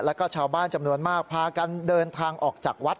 แล้วก็ชาวบ้านจำนวนมากพากันเดินทางออกจากวัด